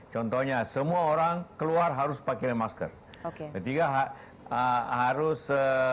contohnya semua orang keluar harus pakai masker ketiga harus